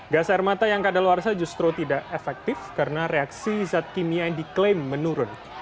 gas air mata yang kadaluarsa justru tidak efektif karena reaksi zat kimia yang diklaim menurun